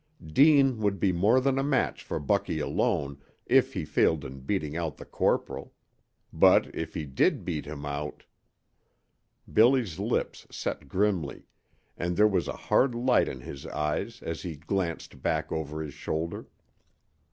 Deane would be more than a match for Bucky alone if he failed in beating out the corporal. But if he did beat him out Billy's lips set grimly, and there was a hard light in his eyes as he glanced back over his shoulder.